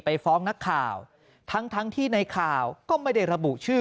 ไปฟ้องนักข่าวทั้งทั้งที่ในข่าวก็ไม่ได้ระบุชื่อ